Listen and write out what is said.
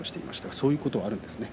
そういうこともあるんですね。